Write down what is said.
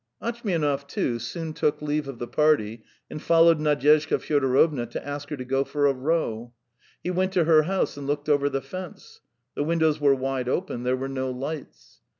Atchmianov, too, soon took leave of the party and followed Nadyezhda Fyodorovna to ask her to go for a row. He went to her house and looked over the fence: the windows were wide open, there were no lights.